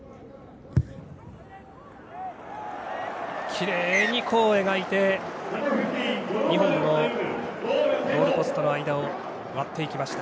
きれいに弧を描いて２本のゴールポストの間を割っていきました。